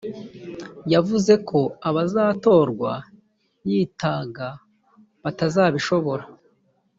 yavuze ko abazatorwa yitaga batazabishobora